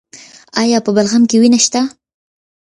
ایا په بلغم کې وینه شته؟